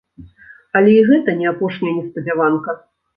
Але і гэта не апошняя неспадзяванка.